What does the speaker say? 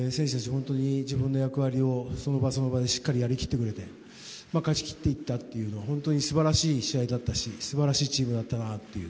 本当に自分の役割をその場その場でしっかりやりきってくれて勝ち切っていったというのは素晴らしい試合だったし素晴らしいチームだったなと。